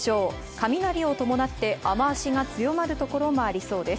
雷を伴って雨足が強まるところもありそうです。